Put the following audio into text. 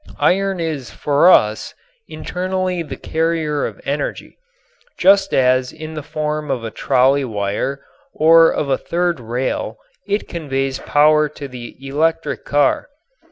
Iron is for us internally the carrier of energy, just as in the form of a trolley wire or of a third rail it conveys power to the electric car.